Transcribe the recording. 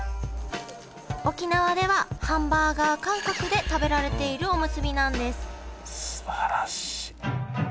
沖縄ではハンバーガー感覚で食べられているおむすびなんですすばらしい。